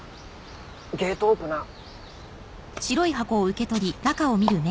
ゲートオープナー。